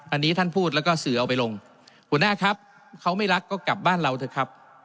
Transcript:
อันนี้ท่านพูดแล้วก็สื่อเอาไปลงหัวหน้าครับเขาไม่รักก็กลับบ้านเราเถอะครับ